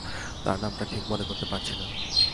তার নামটা ঠিক মনে করতে পারছি না।